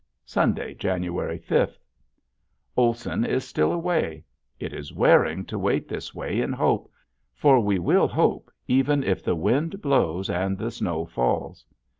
Sunday, January fifth. Olson is still away. It is wearing to wait this way in hope, for we will hope even if the wind blows and the snow falls.